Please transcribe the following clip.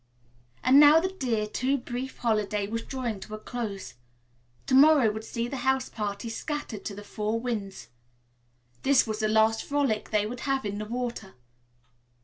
And now the dear, too brief holiday was drawing to a close. To morrow would see the house party scattered to the four winds. This was the last frolic they would have in the water.